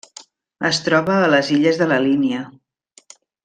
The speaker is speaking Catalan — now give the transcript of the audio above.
Es troba a les Illes de la Línia.